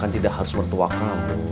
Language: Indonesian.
ya kan tidak harus mertua kamu